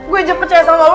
gue aja percaya sama lo